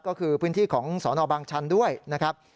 ก็คือพื้นที่ของสนบางชันด้วยนะครับ